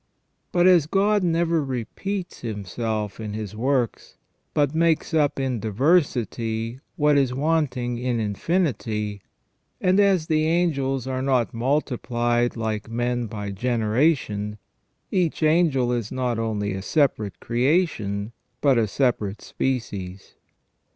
But as God never repeats Himself in His works, but makes up THE REGENERATION OF MAN 341 in diversity what is wanting in infinity, and as the angels are not multiplied like men by generation, each angel is not only a separate creation, but a separate species.